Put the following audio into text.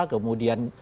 kemudian nggak sampai